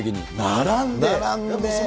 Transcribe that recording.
並んで。